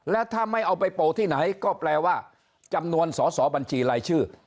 และถ้าไม่เอาไปโปรที่ไหนก็แปลว่าจำนวนสอสอบัญชีรายชื่อ